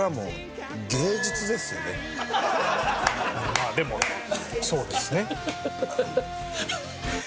まあでもそうですね。